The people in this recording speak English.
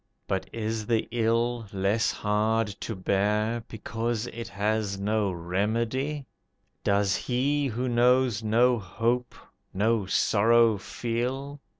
But is the ill less hard to bear, Because it has no remedy? Does he who knows no hope no sorrow feel?